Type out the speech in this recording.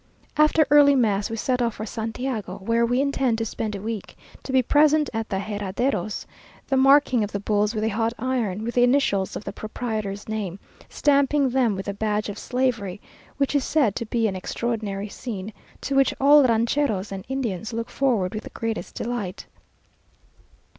After early mass, we set off for Santiago, where we intend to spend a week, to be present at the Herraderos the marking of the bulls with a hot iron with the initials of the proprietor's name; stamping them with the badge of slavery which is said to be an extraordinary scene; to which all rancheros and Indians look forward with the greatest delight.